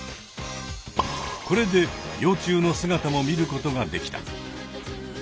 これで幼虫の姿も見ることができた。